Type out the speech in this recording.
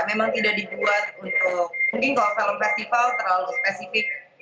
memang tidak dibuat untuk mungkin kalau film festival terlalu spesifik